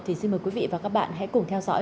thì xin mời quý vị và các bạn hãy cùng theo dõi